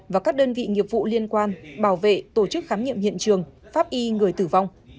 và các đơn vị nghiệp vụ liên quan bảo vệ tổ chức khám nghiệm hiện trường pháp y người tử vong